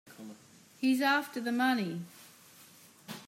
He's after the money.